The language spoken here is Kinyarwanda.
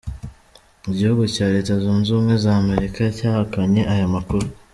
Igihugu cya Leta Zunze Ubumwe za Amerika cyahakanye aya makuru.